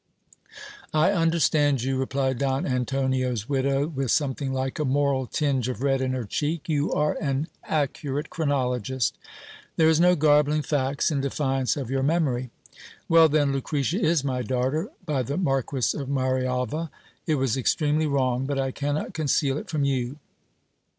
I understand you, replied Don Antonio's widow, with something like a moral tinge of red in her cheek ; you are an accurate chronologist ! There is no garb ling facts in defiance of your memory. Well, then ! Lucretia is my daughter by the Marquis of Marialva : it was extremely wrong, but I cannot conceal it from you.